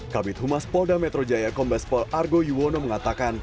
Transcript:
kabit humas polda metrojaya kombespol argo yuwono mengatakan